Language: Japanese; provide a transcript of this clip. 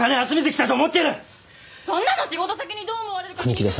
そんなの仕事先にどう思われるか気にしてるだけ。